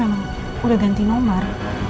sekarang memang udah ganti nomor